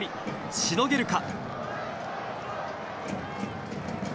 しのげるか。